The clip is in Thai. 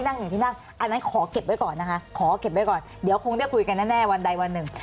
อันนี้ขอเก็บไว้ก่อนนะคะเดี๋ยวคงได้คุยกันแน่วันไดวันหนึ่ง